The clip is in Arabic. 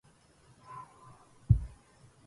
عاد لي بالسدير شارد قصف